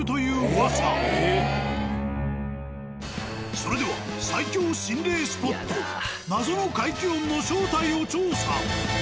それでは最恐心霊スポット謎の怪奇音の正体を調査。